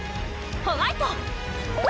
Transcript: ホワイト！